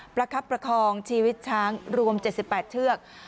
ประคับประคองชีวิตช้างรวม๗๘เชือก